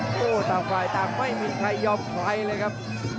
อู้หู้ตามฝ่ายตามไม่มีใครยอมไขเลยครับ